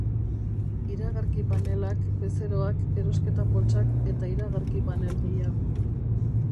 Iragarki panelak, bezeroak, erosketa poltsak eta iragarki panel gehiago.